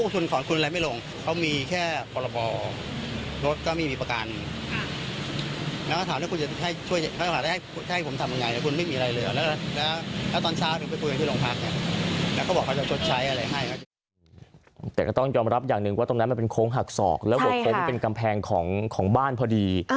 แต่ก็ต้องยอมรับอย่างหนึ่งว่าตรงนั้นมันเป็นโค้งหักศอกแล้วหัวโค้งเป็นกำแพงของบ้านพอดี